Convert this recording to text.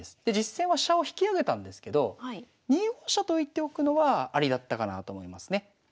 で実戦は飛車を引き揚げたんですけど２四飛車と浮いておくのはありだったかなと思いますね。